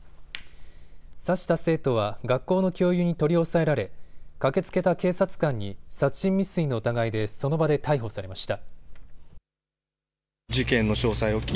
刺した生徒は学校の教諭に取り押さえられ駆けつけた警察官に殺人未遂の疑いでその場で逮捕されました。